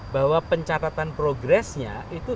bahwa pencatatan progressnya itu dilakukan